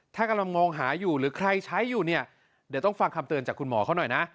ถ้ากำลังมองหาอยู่หรือใครใช้อยู่เนี่ยเดี๋ยวต้องฟังคำเตือนจากคุณหมอเขาหน่อยนะ